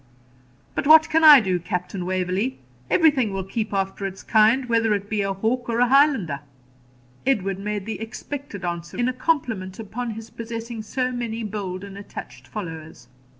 But what can I do, Captain Waverley? everything will keep after its kind, whether it be a hawk or a Highlander.' Edward made the expected answer, in a compliment upon his possessing so many bold and attached followers.